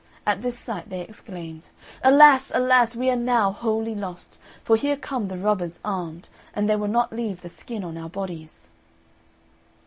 At this sight they exclaimed, "Alas, alas! we are now wholly lost, for here come the robbers armed, and they will not leave the skin on our bodies."